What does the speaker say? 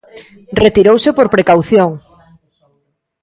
Retirouse por precaución.